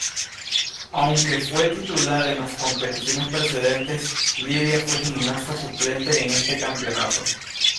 Aunque fue titular en las competiciones precedentes, Lidia fue gimnasta suplente en este campeonato.